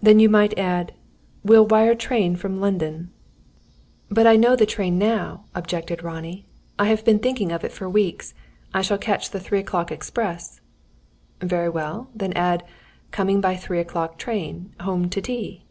"Then you might add: Will wire train from London." "But I know the train now," objected Ronnie. "I have been thinking of it for weeks! I shall catch the 3 o'clock express." "Very well, then add: _Coming by 3 o'clock train. Home to tea.